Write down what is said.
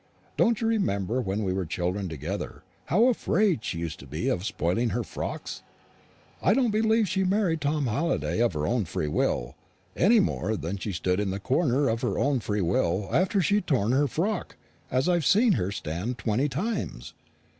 Don't you remember when we were children together how afraid she used to be of spoiling her frocks? I don't believe she married Tom Halliday of her own free will, any more than she stood in the corner of her own free will after she'd torn her frock, as I've seen her stand twenty times.